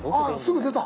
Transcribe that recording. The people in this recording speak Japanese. すぐ出た。